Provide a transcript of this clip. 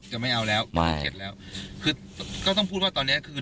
ไม่เอาแล้ววันที่เจ็ดแล้วคือก็ต้องพูดว่าตอนเนี้ยคือ